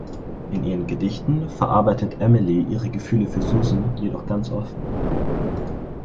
In ihren Gedichten verarbeitet Emily ihre Gefühle für Susan jedoch ganz offen.